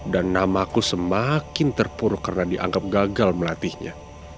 dan namaku semakin terpuruk karena dianggap gagal melatihnya